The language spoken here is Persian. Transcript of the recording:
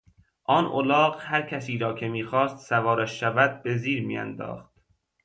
آن الاغ هر کسی را که میخواست سوارش شود به زیر میانداخت.